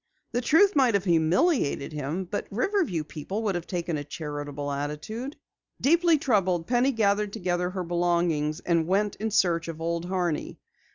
The truth might have humiliated him, but Riverview people would have taken a charitable attitude." Deeply troubled, Penny gathered together her belongings and went in search of Old Horney.